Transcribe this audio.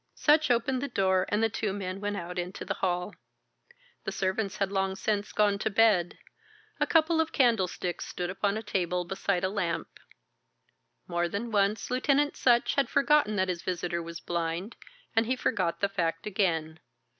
Sutch opened the door, and the two men went out into the hall. The servants had long since gone to bed. A couple of candlesticks stood upon a table beside a lamp. More than once Lieutenant Sutch had forgotten that his visitor was blind, and he forgot the fact again.